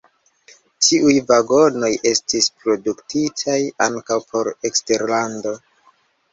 Tiuj vagonoj estis produktitaj ankaŭ por eksterlando.